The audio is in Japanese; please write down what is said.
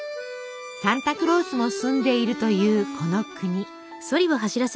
サンタクロースも住んでいるというこの国。